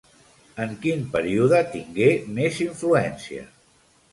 En quin període tingué més influència?